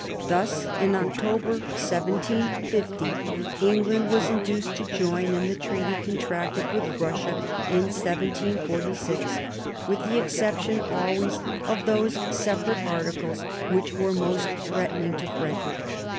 Thus in October 1750 England was induced to join in the treaty contracted with Russia in 1746, with the exception always of those separate articles which were most threatening to Frederick.